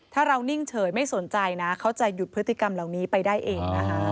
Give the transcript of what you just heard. ถ้าเรานิ่งเฉยไม่สนใจนะเขาจะหยุดพฤติกรรมเหล่านี้ไปได้เองนะคะ